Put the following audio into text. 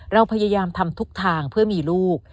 เราพยายามทำทุกทางเพื่อมีลูก